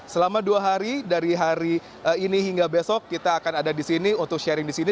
selama dua hari dari hari ini hingga besok kita akan ada di sini untuk sharing di sini